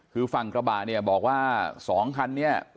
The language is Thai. คือฝั่งกระบะเนี่ยบอกว่า๒คันนี้